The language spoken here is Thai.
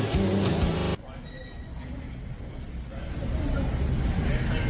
หูเป็นยังไงเมื่อกี้ได้เห็นภาพนิ่งนะ